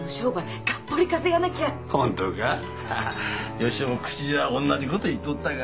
善男も口じゃおんなじこと言っとったが。